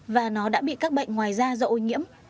và nó đã bị các bệnh ngoài da do ô nhiễm